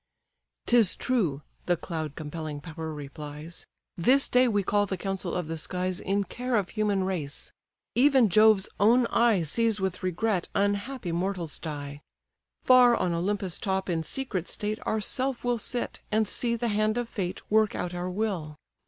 "'Tis true (the cloud compelling power replies) This day we call the council of the skies In care of human race; even Jove's own eye Sees with regret unhappy mortals die. Far on Olympus' top in secret state Ourself will sit, and see the hand of fate Work out our will.